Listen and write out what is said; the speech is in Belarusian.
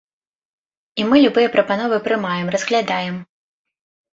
І мы любыя прапановы прымаем, разглядаем.